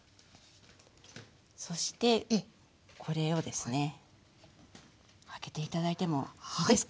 そしてこれをですね開けて頂いてもいいですか？